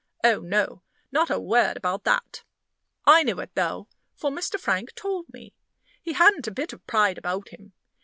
Oh, no not a word about that! I knew it, though, for Mr. Frank told me. He hadn't a bit of pride about him.